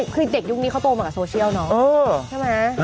คือเด็กยุคนี้เขาโตมากับโซเชียลเนาะใช่ไหม